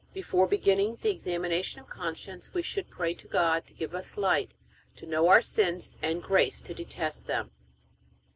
Before beginning the examination of conscience we should pray to God to give us light to know our sins and grace to detest them.